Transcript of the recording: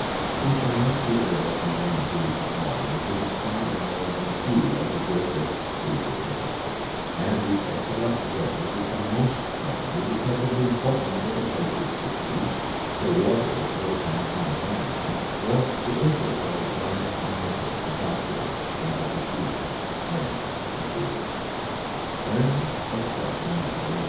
We shall not be able in one brief volume to de scribe more than a few of the greatest sieges of history, and we shall select those which are most notable because of the importance of the places besieged, the warriors who attacked and defended them, or the interest of the plans and methods a